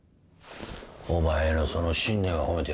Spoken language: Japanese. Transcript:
お前のその信念は褒めてやる。